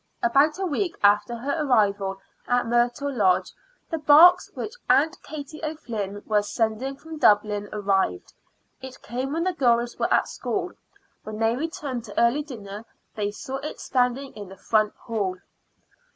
About a week after her arrival at Myrtle Lodge the box which Aunt Katie O'Flynn was sending from Dublin arrived. It came when the girls were at school. When they returned to early dinner they saw it standing in the front hall.